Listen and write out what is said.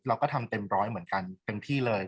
กากตัวทำอะไรบ้างอยู่ตรงนี้คนเดียว